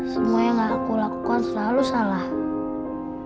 semua yang aku lakukan selalu salah